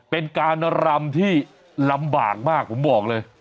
เป็นการรำที่ลำบากมากผมบอกเลย